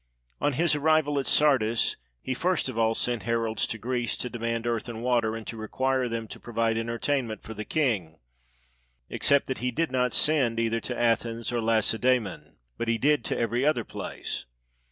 On his arrival at Sardis, he first of all sent heralds to 352 XERXES SETS OUT TO CONQUER GREECE Greece to demand earth and water, and to require them to provide entertainment for the king; except that he did not send cither to Athens or Laccda^mon, but he did to every other place.